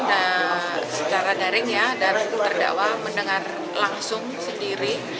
dan secara daring ya daripada terdakwa mendengar langsung sendiri